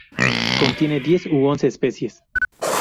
Contiene diez u once especies.